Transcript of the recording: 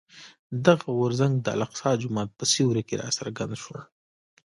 دغه غورځنګ د الاقصی جومات په سیوري کې راڅرګند شو.